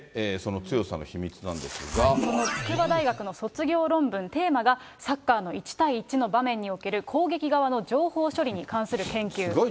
その筑波大学の卒業論文、テーマが、サッカーの１対１の場面における攻撃側の情報処理に関する研究。